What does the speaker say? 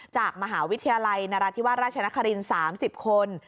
จากมหาวิทยาลัยนราธิวาสราชนครินทร์๓๐คน